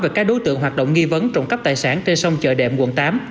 về các đối tượng hoạt động nghi vấn trộm cắp tài sản trên sông chợ đệm quận tám